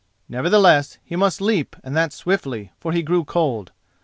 Nevertheless, he must leap and that swiftly, for he grew cold.